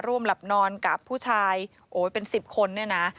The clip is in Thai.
ร่วมหลับนอนกับผู้ชายโอ้ยเป็น๑๐คนเนี่ยนะ